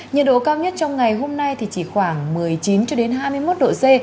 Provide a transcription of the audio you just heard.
nhiệt độ cao nhất trong ngày hôm nay thì chỉ khoảng một mươi chín cho đến hai mươi một độ c